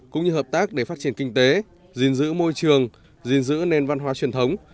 cũng như hợp tác để phát triển kinh tế giữ môi trường giữ nền văn hóa truyền thống